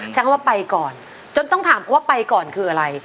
ใช้คำว่าไปก่อนจนต้องถามว่าไปก่อนคืออะไร